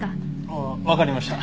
ああわかりました。